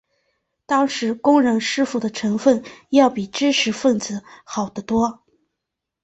当时工人师傅的成分要比知识分子好得多。